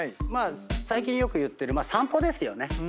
最近よく言ってる散歩ですよね。